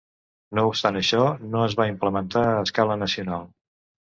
No obstant això, no es va implementar a escala nacional.